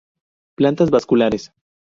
Plantas vasculares.